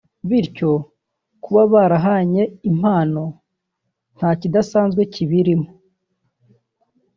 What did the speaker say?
bityo kuba barahanye impano nta kidasanzwe kibirimo